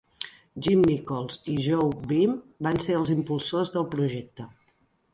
Jim Nicholls i Jo Beams van ser els impulsors del projecte.